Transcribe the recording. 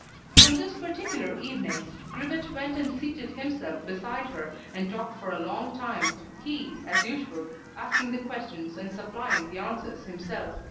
On this particular evening, Grivet went and seated himself beside her, and talked for a long time, he, as usual, asking the questions and supplying the answers himself.